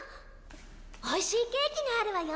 おいしいケーキがあるわよ。